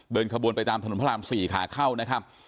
ขบวนไปตามถนนพระราม๔ขาเข้านะครับ